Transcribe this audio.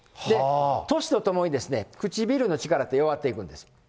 年とともに唇の力って弱っていくんです。